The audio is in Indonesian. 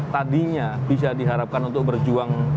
tadinya bisa diharapkan untuk berjuang